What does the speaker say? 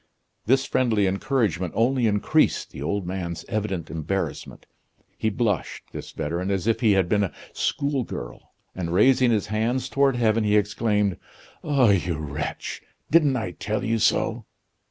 This friendly encouragement only increased the old man's evident embarrassment. He blushed, this veteran, as if he had been a schoolgirl, and raising his hands toward heaven, he exclaimed: "Ah, you wretch! didn't I tell you so?"